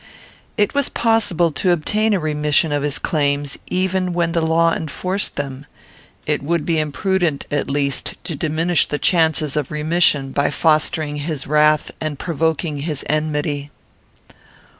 It was possible to obtain a remission of his claims, even when the law enforced them; it would be imprudent at least to diminish the chances of remission by fostering his wrath and provoking his enmity.